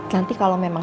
nanti kalau memang